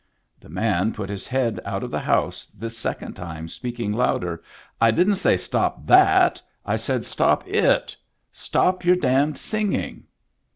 The man put his head out of the house, this second time speaking louder :" I didn't say stop that, I said stop it ; stop your damned singing."